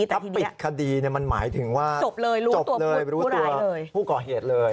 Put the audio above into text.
ถ้าปิดคดีมันหมายถึงว่าจบเลยรู้ตัวผู้ก่อเหตุเลย